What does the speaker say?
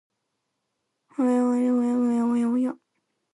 早う文章溜めてね